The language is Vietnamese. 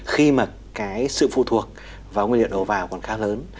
khi mà cái sự phụ thuộc vào nguyên liệu đầu vào còn khá lớn